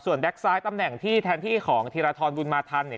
ส่วนแบ็คซ้ายตำแหน่งที่แทนที่ของธีระทรวงุลมาทันเนี่ย